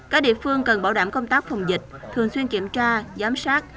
các địa phương cần bảo đảm công tác phòng dịch thường xuyên kiểm tra giám sát